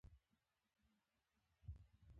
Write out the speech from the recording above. پسه د افغانستان په طبیعت کې مهم رول لري.